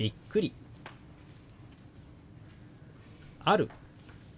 「ある」。